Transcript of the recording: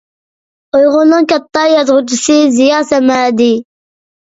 ئۇيغۇرنىڭ كاتتا يازغۇچىسى زىيا سەمەدى.